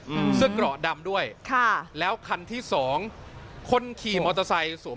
อืมเสื้อเกราะดำด้วยค่ะแล้วคันที่สองคนขี่มอเตอร์ไซค์สวม